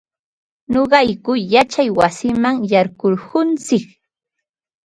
Nuqayku yachay wasiman yaykurquntsik.